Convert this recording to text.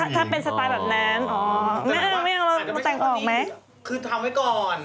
อ๋อถ้าเป็นสไตล์แบบนั้นอ๋อไม่เอาไม่เอามาแต่งของไหมคือทำไว้ก่อน